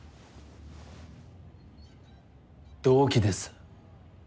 動機です。